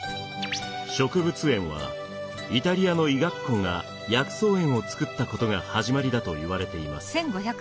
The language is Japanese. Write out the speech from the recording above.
植物園はイタリアの医学校が薬草園を作ったことが始まりだといわれています。